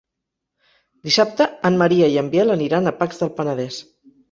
Dissabte en Maria i en Biel aniran a Pacs del Penedès.